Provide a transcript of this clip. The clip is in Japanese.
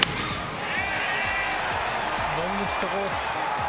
ロングヒットコース。